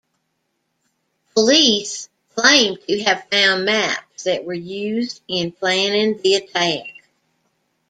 Police claimed to have found maps that were used in planning the attack.